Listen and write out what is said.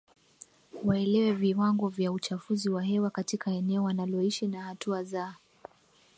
waelewe viwango vya uchafuzi wa hewa katika eneo wanaloishi na hatua za